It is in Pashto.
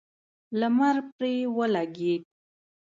لمر پرې ولګېد.